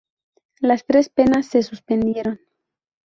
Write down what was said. Las tres penas se suspendieron.